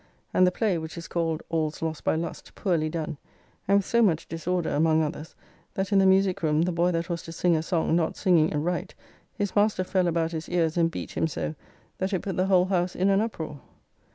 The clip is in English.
And the play, which is called "All's lost by Lust," poorly done; and with so much disorder, among others, that in the musique room the boy that was to sing a song, not singing it right, his master fell about his ears and beat him so, that it put the whole house in an uprore.